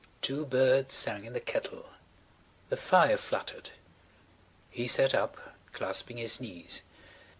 Two birds sang in the kettle; the fire fluttered. He sat up clasping his knees.